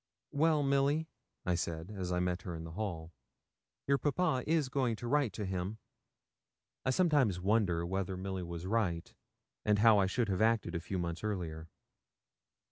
'Well, Milly,' I said, as I met her in the hall, 'your papa is going to write to him.' I sometimes wonder whether Milly was right, and how I should have acted a few months earlier.